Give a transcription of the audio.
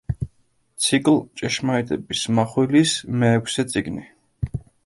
ციკლ „ჭეშმარიტების მახვილის“ მეექვსე წიგნი.